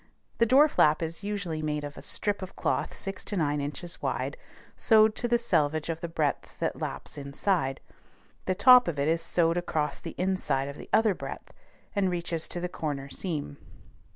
The door flap is usually made of a strip of cloth six to nine inches wide, sewed to the selvage of the breadth that laps inside; the top of it is sewed across the inside of the other breadth, and reaches to the corner seam.